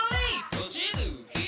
閉じる左！